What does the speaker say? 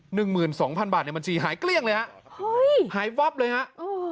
หนึ่งหมื่นสองพันบาทในบัญชีหายเกลี้ยงเลยฮะเฮ้ยหายวับเลยฮะเออ